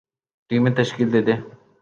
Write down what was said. ٹیمیں تشکیل دے دیں